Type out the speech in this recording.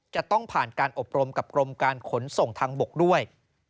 จะต้องผ่านการอบรมกับกรมการขนส่งทางบกด้วย